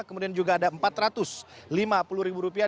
kemudian juga ada empat ratus lima puluh ribu rupiah